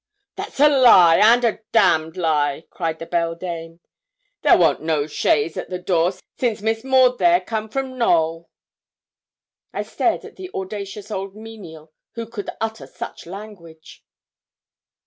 'That's a lie, and a damn lie!' cried the beldame. 'There worn't no chaise at the door since Miss Maud there come from Knowl.' I stared at the audacious old menial who could utter such language.